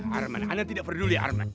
herman ana tidak peduli herman